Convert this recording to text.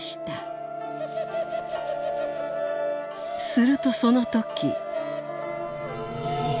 「するとその時。